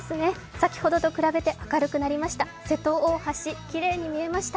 先ほどと比べて明るくなりました。